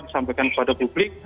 disampaikan kepada publik